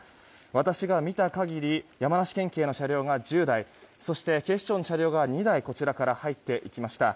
私が見た限り山梨県警の車両が１０台そして、警視庁の車両が２台こちらから入っていきました。